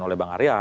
oleh bang arya